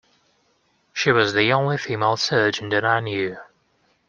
She was the only female surgeon that I knew.